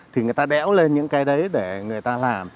thì người ta đéo lên những cái đấy để người ta làm